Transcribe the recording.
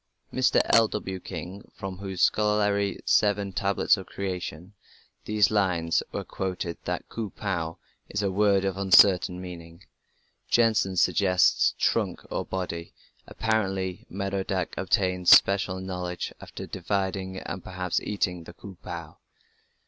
Mr. L.W. King, from whose scholarly Seven Tablets of Creation these lines are quoted, notes that "Ku pu" is a word of uncertain meaning. Jensen suggests "trunk, body". Apparently Merodach obtained special knowledge after dividing, and perhaps eating, the "Ku pu".